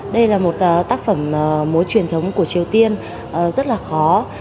đây là một tác phẩm múa truyền thống của triều tiên rất là khó